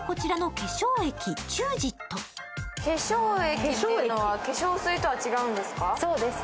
化粧液というのは化粧水とは違うんですか？